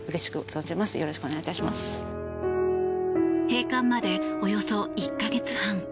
閉館までおよそ１か月半。